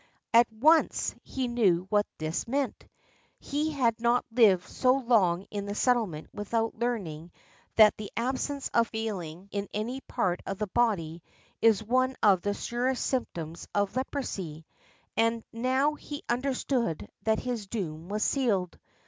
At once he knew what this meant. He had not lived so long in the settlement without learning that the absence of feehng in any part of the body is one of the surest symptoms of leprosy; and now he understood that his doom was sealed.